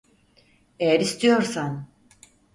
Eğer istiyorsan.